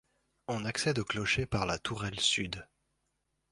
On accède au clocher par la tourelle sud.